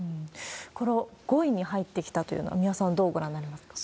この５位に入ってきたというのは三輪さん、どうご覧になりま